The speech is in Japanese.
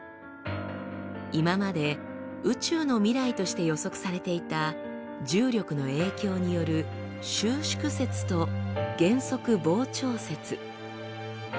今まで宇宙の未来として予測されていた重力の影響による「収縮説」と「減速膨張説」。